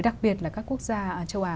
đặc biệt là các quốc gia châu á